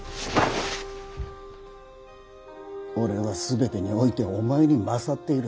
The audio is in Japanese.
俺は全てにおいてお前に勝っている。